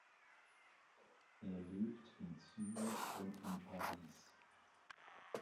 Er lebt in Zürich und in Paris.